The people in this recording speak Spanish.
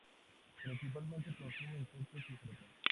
Principalmente consume insectos y frutos.